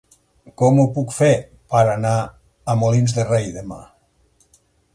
Com ho puc fer per anar a Molins de Rei demà?